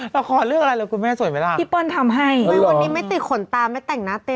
ละครเรื่องอะไรเลยคุณแม่สวยไหมล่ะพี่ป้อนทำให้ไม่หรอไม่ติดขนตาไม่แต่งหน้าเต็ม